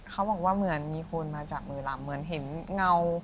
เขาบอกว่าเหมือนมีคนมาจับมือลำเหมือนเห็นเงา